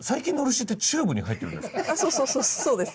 そうそうそうそうそうです。